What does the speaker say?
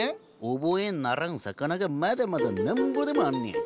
覚えならん魚がまだまだなんぼでもあんねや。